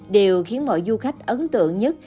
đều khiến mọi du khách ấn tượng nhất